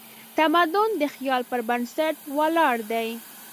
تمدن د خیال پر بنسټ ولاړ دی.